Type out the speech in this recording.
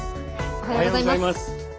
おはようございます。